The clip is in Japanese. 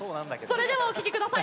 それではお聴き下さい。